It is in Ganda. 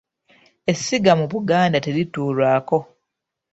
Essiga mu Buganda terituulwako.